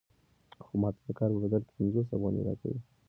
خو ماته د کار په بدل کې پنځوس افغانۍ راکوي